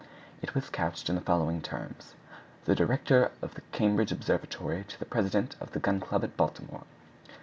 It was couched in the following terms: _The Director of the Cambridge Observatory to the President of the Gun Club at Baltimore.